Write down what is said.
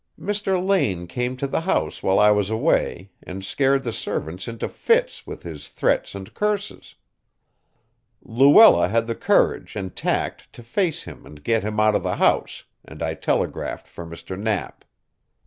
Mr. Lane came to the house while I was away and scared the servants into fits with his threats and curses. Luella had the courage and tact to face him and get him out of the house, and I telegraphed for Mr. Knapp."